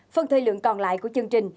phần thời lượng còn lại của chương trình